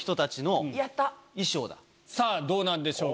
さぁどうなんでしょうか？